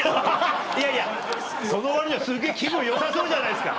いやいやその割にはすげぇ気分よさそうじゃないですか。